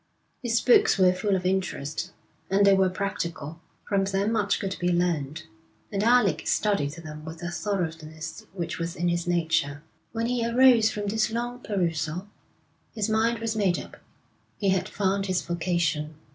His books were full of interest, and they were practical. From them much could be learned, and Alec studied them with a thoroughness which was in his nature. When he arose from this long perusal, his mind was made up. He had found his vocation.